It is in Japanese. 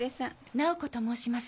菜穂子と申します。